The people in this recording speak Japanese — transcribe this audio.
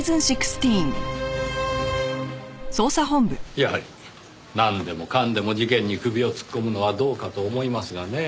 やはりなんでもかんでも事件に首を突っ込むのはどうかと思いますがねぇ。